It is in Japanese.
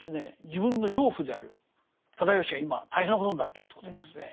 自分の養父である直義が今大変なことになってるということでですね